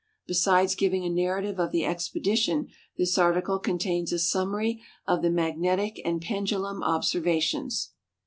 " Besides giving a narrative of tlie expedition, this article contains a Huiiiniarv .^ the Magnetic and Pendulum Observations.